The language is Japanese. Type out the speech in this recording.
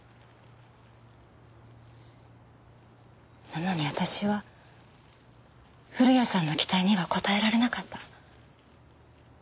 なのに私は古谷さんの期待には応えられなかった。